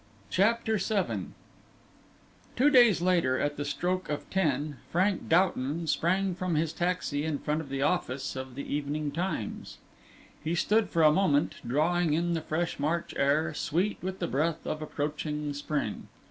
CHAPTER VII Two days later, at the stroke of ten, Frank Doughton sprang from his taxi in front of the office of the Evening Times. He stood for a moment, drawing in the fresh March air, sweet with the breath of approaching spring.